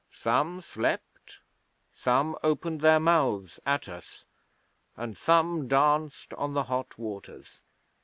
Some slept, some opened their mouths at us, and some danced on the hot waters.